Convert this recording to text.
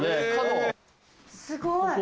すごい。